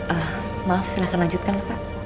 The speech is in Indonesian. ah maaf silahkan lanjutkan pak